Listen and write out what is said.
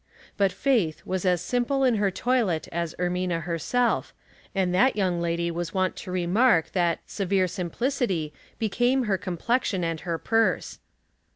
But Faith was as simple in her toilet as Ermina herself; and that young lady was wont to remark that " severe simplicity " be came her complexion and her purse.